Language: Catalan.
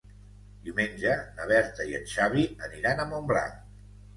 Diumenge na Berta i en Xavi aniran a Montblanc.